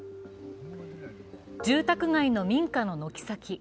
住宅街の民家の軒先。